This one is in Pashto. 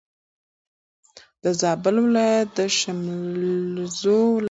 د زابل ولایت د شملزو ولسوالي